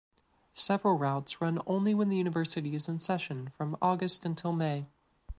Several routes run only when the university is in session from August until May.